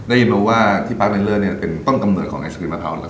ได้ยินแล้วว่าที่ปั๊กไลเลิศเนี่ยเป็นต้องกำเหนิดของไอศกรีมมะพร้าว